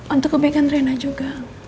untuk kebaikan rena juga